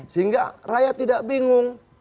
sehingga rakyat tidak bingung